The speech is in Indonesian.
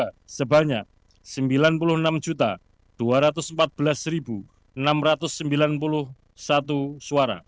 pasangan calon presiden dan wakil presiden nomor urut dua sembilan puluh enam dua ratus empat belas enam ratus sembilan puluh satu suara